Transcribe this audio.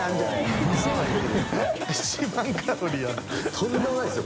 とんでもないですよ